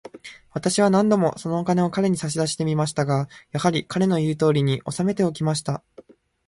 私は何度も、そのお金を彼に差し出してみましたが、やはり、彼の言うとおりに、おさめておきました。